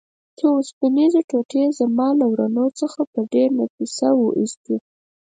څو اوسپنیزې ټوټې یې زما له ورنو څخه په ډېره نفیسه وه ایستې.